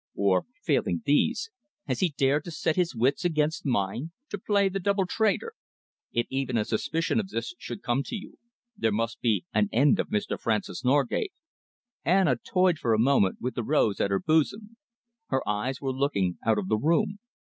Or, failing these, has he dared to set his wits against mine, to play the double traitor? If even a suspicion of this should come to you, there must be an end of Mr. Francis Norgate." Anna toyed for a moment with the rose at her bosom. Her eyes were looking out of the room.